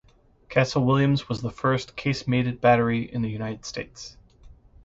Castle Williams was the first casemated battery in the United States.